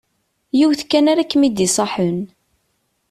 Yiwet kan ara kem-id-iṣaḥen.